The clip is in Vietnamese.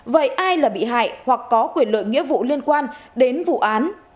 vậy ai là bị hại hoặc có quyền lợi nghĩa vụ liên quan đến vụ án